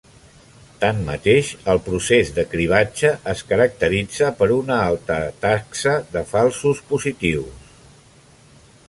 Tanmateix, el procés de cribatge es caracteritza per una alta taxa de falsos positius.